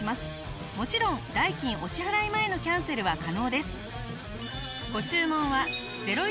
もちろん代金お支払い前のキャンセルは可能です。